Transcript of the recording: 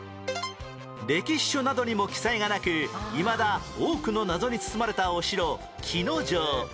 歴史書などにも記載がなくいまだ多くの謎に包まれたお城鬼ノ城